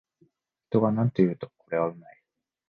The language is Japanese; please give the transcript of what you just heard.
人がなんと言おうと、これはうまい